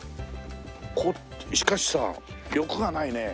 しかしさ欲がないね。